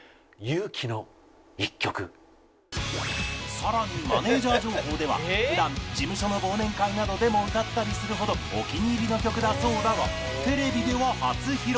さらにマネージャー情報では普段事務所の忘年会などでも歌ったりするほどお気に入りの曲だそうだがテレビでは初披露